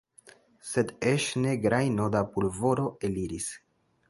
Sed eĉ ne grajno da pulvoro eliris.